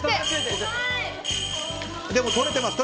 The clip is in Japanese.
でも取れてます。